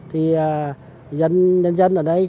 thì dân ở đây